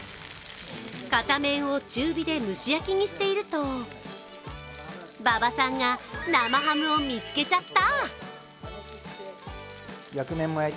片面を中火で蒸し焼きにしていると、馬場さんが生ハムを見つけちゃった！